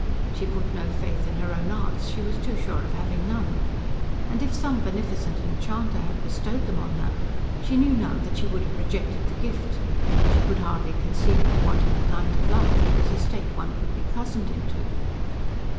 She put no faith in her own arts: she was too sure of having none! And if some beneficent enchanter had bestowed them on her, she knew now that she would have rejected the gift. She could hardly conceive of wanting the kind of love that was a state one could be cozened into...